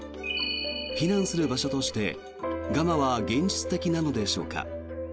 避難する場所としてガマは現実的なのでしょうか。